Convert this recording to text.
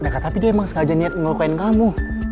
mereka tapi dia emang sengaja niat ngelukain kamu